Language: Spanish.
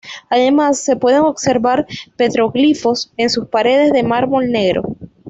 Además se pueden observar petroglifos en sus paredes de mármol negro.